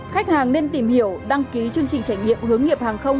khách hàng nên tìm hiểu đăng ký chương trình trải nghiệm hướng nghiệp hàng không